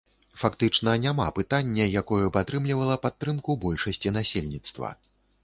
Фактычна няма пытання, якое б атрымлівала падтрымку большасці насельніцтва.